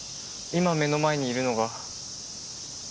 今目の前にいるのが。